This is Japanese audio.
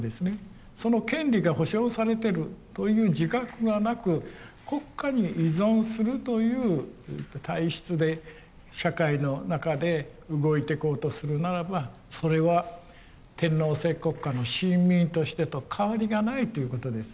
その権利が保障されてるという自覚がなく国家に依存するという体質で社会の中で動いていこうとするならばそれは天皇制国家の臣民としてと変わりがないということです。